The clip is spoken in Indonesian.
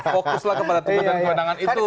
fokuslah kepada tugas dan kewenangan itu